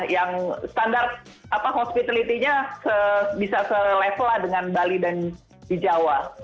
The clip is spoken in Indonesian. yang standar hospitality nya bisa selevel lah dengan bali dan di jawa